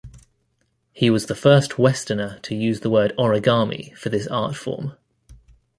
He was the first Westerner to use the word origami for this art-form.